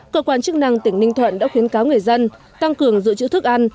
cơ quan chức năng tỉnh ninh thuận đã khuyến cáo người dân tăng cường dự trữ thức ăn